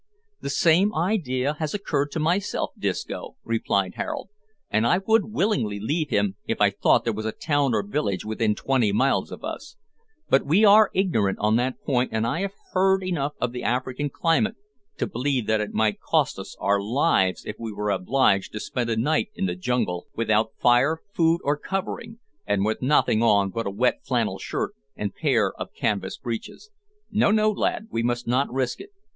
"The same idea has occurred to myself, Disco," replied Harold, "and I would willingly leave him if I thought there was a town or village within twenty miles of us; but we are ignorant on that point and I have heard enough of the African climate to believe that it might cost us our lives if we were obliged to spend a night in the jungle without fire, food, or covering, and with nothing on but a wet flannel shirt and pair of canvas breeches. No, no, lad, we must not risk it.